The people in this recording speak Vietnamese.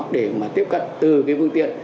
để mà tiếp cận từ cái phương tiện